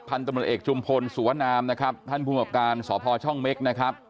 พันธุ์ตำระเอกจุมพลสวนอามนะครับท่านผู้หการสอบพลช่องเม็กซ์นะครับ